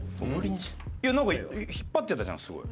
なんか引っ張ってたじゃんすごい。